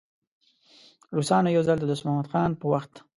روسانو یو ځل د دوست محمد خان په وخت.